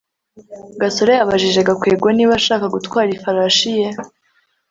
gasore yabajije gakwego niba ashaka gutwara ifarashi ye